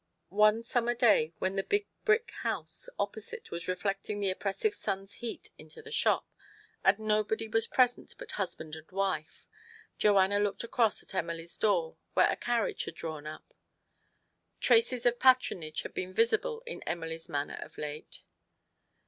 One summer day, when the big brick house opposite was reflecting the oppressive sun's heat into the shop, and nobody was present TO PLEASE HIS WIFE. 121 but husband and wife, Joanna looked across at Emily's door, where a carriage had drawn up. Traces of patronage had been visible in Emily's manner of late.